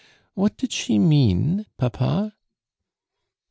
What did she mean, papa?"